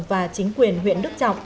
và chính quyền huyện đức trọng